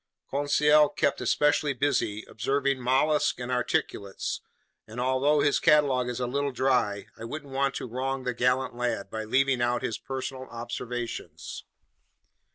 Conseil kept especially busy observing mollusks and articulates, and although his catalog is a little dry, I wouldn't want to wrong the gallant lad by leaving out his personal observations.